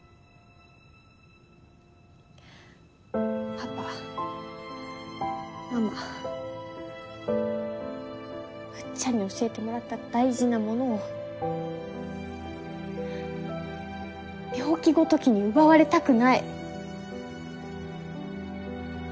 パパママむっちゃんに教えてもらった大事なものを病気ごときに奪われたくない。